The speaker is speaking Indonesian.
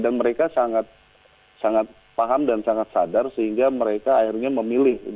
dan mereka sangat paham dan sangat sadar sehingga mereka akhirnya memilih